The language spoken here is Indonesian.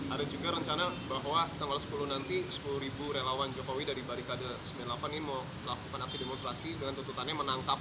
ada juga rencana bahwa tanggal sepuluh nanti sepuluh relawan jokowi dari barikada sembilan puluh delapan ini mau melakukan aksi demonstrasi dengan tuntutannya menangkap pak ropi pak